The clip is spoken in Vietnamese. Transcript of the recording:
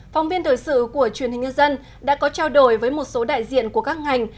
phóng viên thời sự của truyền hình nhân dân đã có trao đổi với một số đại diện của các ngành